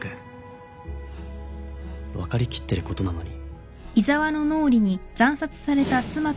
分かりきってることなのに。